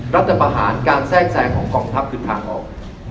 รัฐประหารการแทรกแสงของกองทัพคือทางออก